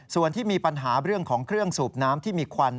ส่วนที่มีปัญหาเรื่องของเครื่องสูบน้ำที่มีควัน